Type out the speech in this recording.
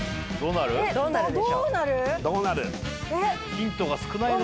ヒントが少ないね。